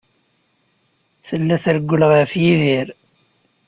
Tella trewwel ɣef Yidir.